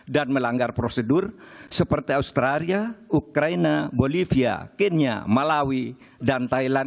dan melanggar prosedur seperti australia ukraina bolivia kenya malawi dan thailand